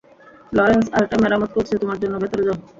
Lawrence আরেকটা মেরামত করছে তোমার জন্য, ভেতরে যাও।